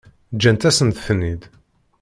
Ǧǧant-asent-ten-id.